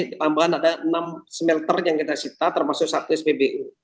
ditambah ada enam smelter yang kita sita termasuk satu spbu